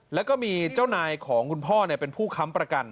แล้วก็มีเจ้านายของคุณพ่อเป็นผู้ค้ำประกัน